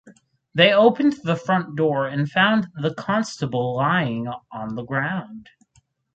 They opened the front door and found the constable lying on the ground.